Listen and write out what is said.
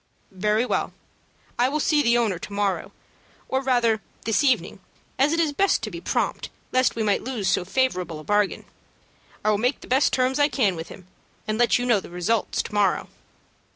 "Very well. I will see the owner to morrow, or rather this evening, as it is best to be prompt, lest we might lose so favorable a bargain. I will make the best terms I can with him, and let you know the result to morrow."